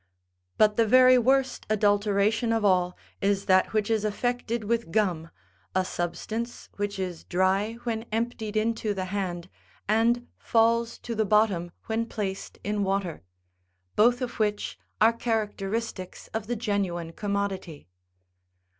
But the very worst adulteration of all, is that which is effected with gum, a substance which is dry when emptied into the hand, and falls to the bottom when placed in water ; both of which are characteristics of the genuine commodity.